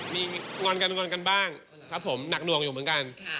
มีงอนกันบ้างนักหน่วงอยู่เหมือนกัน